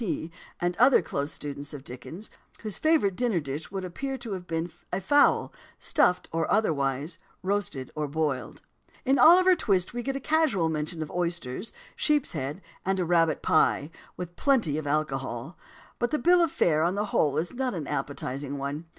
P., and other close students of Dickens, whose favourite dinner dish would appear to have been a fowl, stuffed or otherwise, roast or boiled. In Oliver Twist we get casual mention of oysters, sheep's heads, and a rabbit pie, with plenty of alcohol; but the bill of fare, on the whole, is not an appetising one.